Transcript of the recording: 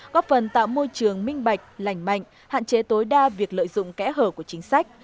góp phần tạo môi trường minh bạch lành mạnh hạn chế tối đa việc lợi dụng kẽ hở của chính sách